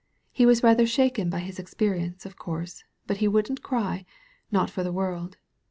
He was rather shaken by his experience, of course, but he wouldn't cry — ^not for the world.